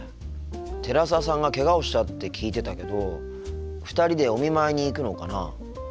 寺澤さんがけがをしたって聞いてたけど２人でお見舞いに行くのかなあ。